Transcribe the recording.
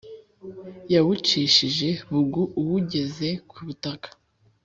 Yawucishije bugu awugeza ku butaka